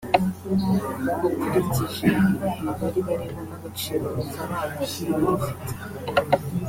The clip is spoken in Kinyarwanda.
ukurikije ibihe bari barimo n’agaciro ifaranga ryari rifite